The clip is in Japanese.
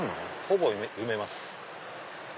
ほぼ埋めます。